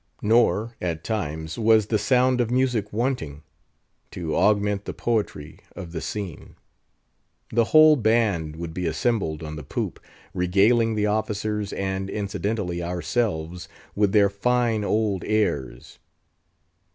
Nor, at times, was the sound of music wanting, to augment the poetry of the scene. The whole band would be assembled on the poop, regaling the officers, and incidentally ourselves, with their fine old airs.